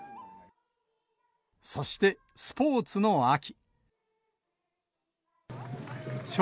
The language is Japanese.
そして、スポーツの秋。